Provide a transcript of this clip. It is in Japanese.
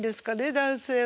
男性は。